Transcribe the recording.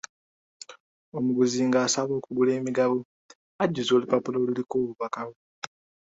Omuguzi ng'asaba okugula emigabo, ajjuza olupapula oluliko obubaka bwe.